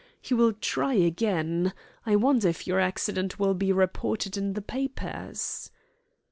He will try again. I wonder if your accident will be reported in the papers?"